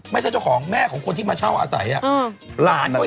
ไม่ช่างตัวของแม่ของช้าวอาศัยอะ